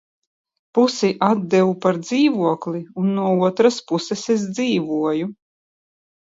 Pusi atdevu par dzīvokli un no otras puses es dzīvoju.